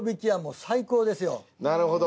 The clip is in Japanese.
なるほど！